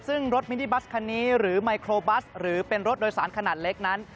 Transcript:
ซึ่งรถมินิบัสคันนี้หรือไมโครบัสหรือเป็นรถโดยสารขนาดเล็กนั้น